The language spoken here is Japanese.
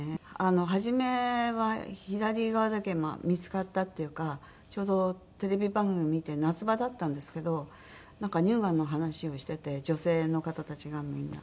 初めは左側だけ見付かったっていうかちょうどテレビ番組を見て夏場だったんですけどなんか乳がんの話をしてて女性の方たちがみんな。